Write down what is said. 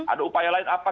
ada upaya lain apa